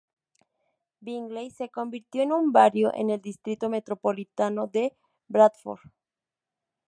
Bingley se convirtió en un barrio, en el distrito metropolitano de Bradford.